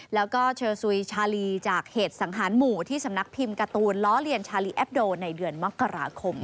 แล้วก็เชอสุยชาลีจากเหตุสังหารหมู่ที่สำนักพิมพ์การ์ตูนล้อเลียนชาลีแอปโดในเดือนมกราคม